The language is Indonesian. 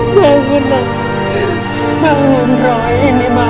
tinggalkan saya sendiri pak